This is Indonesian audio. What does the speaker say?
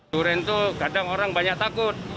durian itu kadang orang banyak takut